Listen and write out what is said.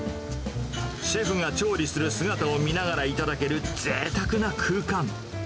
シェフが調理する姿を見ながら頂ける、ぜいたくな空間。